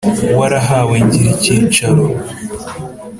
warahawe ngira icyicaro.